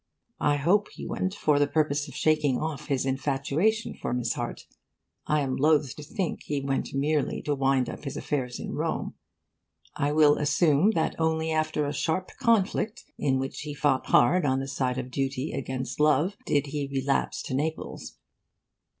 I hope he went for the purpose of shaking off his infatuation for Miss Harte. I am loth to think he went merely to wind up his affairs in Rome. I will assume that only after a sharp conflict, in which he fought hard on the side of duty against love, did he relapse to Naples.